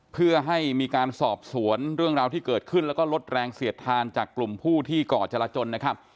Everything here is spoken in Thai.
เพื่อให้มีการสอบสวนเรื่องราวที่เกิดขึ้นแล้วก็ลดแรงเสียดทานจากกลุ่มผู้ที่ก่อจรจนนะครับ